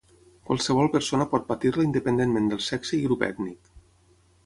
Qualsevol persona pot patir-la independentment del sexe i grup ètnic.